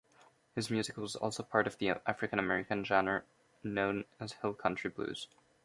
His music was also part of the African-American genre known as Hill country blues.